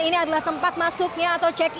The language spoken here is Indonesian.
ini adalah tempat masuknya atau check in